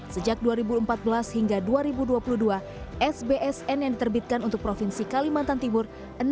sejak dua ribu empat belas hingga dua ribu dua puluh dua sbsn yang diterbitkan untuk provinsi kalimantan timur